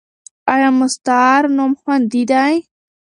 ایا مستعار نوم خوندي دی؟